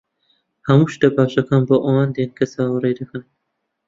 ھەموو شتە باشەکان بۆ ئەوانە دێن کە چاوەڕێ دەکەن.